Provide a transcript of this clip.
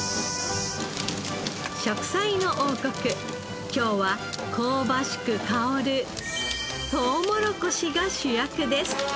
『食彩の王国』今日は香ばしく香るトウモロコシが主役です。